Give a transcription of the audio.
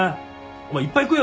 お前いっぱい食えよ。